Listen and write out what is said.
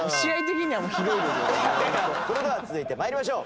それでは続いて参りましょう。